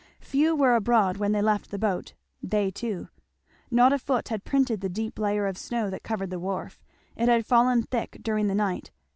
Few were abroad when they left the boat, they two. Not a foot had printed the deep layer of snow that covered the wharf. It had fallen thick during the night.